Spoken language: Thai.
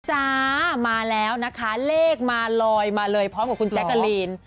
จ้ามาแล้วนะคะเลขมาลอยมาเลยพร้อมกับคุณแจ๊กกะลีน